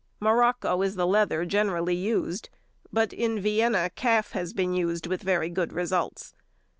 Morocco is the leather generally used, but in Vienna calf has been used with very good results.